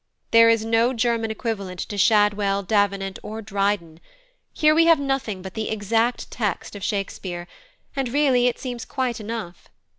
There is no German equivalent to Shadwell, Davenant, or Dryden. Here we have nothing but the exact text of Shakespeare, and really it seems quite enough.